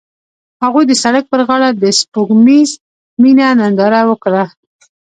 هغوی د سړک پر غاړه د سپوږمیز مینه ننداره وکړه.